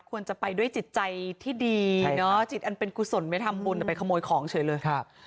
ควรจะไปด้วยจิตใจที่ดีจิตเป็นกุศลไม่ทำบุญแต่ไปขโมยของเฉยเลย